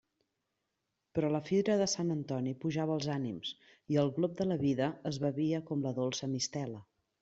Però la fira de Sant Antoni pujava els ànims i el glop de la vida es bevia com la dolça mistela.